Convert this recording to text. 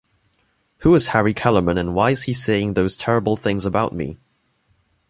Who Is Harry Kellerman and Why Is He Saying Those Terrible Things About Me?